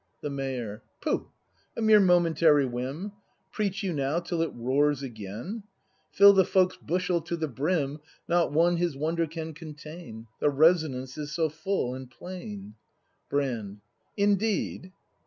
The Mayor. Pooh, a mere momentary whim! Preach you now, till it roars again! — Fill the folks' bushel to the brim. Not one his wonder can contain. The resonance is so full and plain. Brand. Indeed